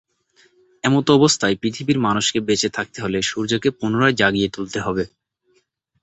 এমতাবস্থায় পৃথিবীর মানুষকে বেঁচে থাকতে হলে সূর্যকে পুনরায় জাগিয়ে তুলতে হবে।